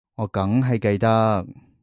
我梗係記得